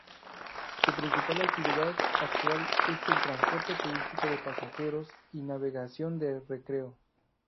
Su principal actividad actual es el transporte turístico de pasajeros y navegación de recreo.